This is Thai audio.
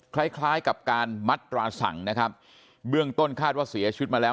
คล้ายคล้ายกับการมัดตราสั่งนะครับเบื้องต้นคาดว่าเสียชีวิตมาแล้ว